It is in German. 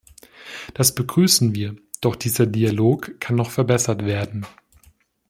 Das begrüßen wir, doch dieser Dialog kann noch verbessert werden.